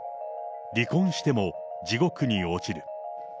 離婚しても地獄に落ちる。